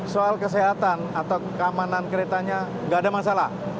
soal kesehatan atau keamanan keretanya nggak ada masalah